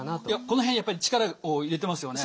この辺やっぱり力を入れてますよね。